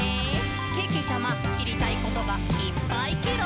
けけちゃま、しりたいことがいっぱいケロ！」